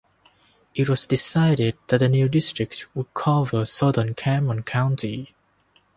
It was decided that the new district would cover southern Cameron County.